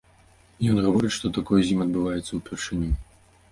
Ён гаворыць, што такое з ім адбываецца ўпершыню.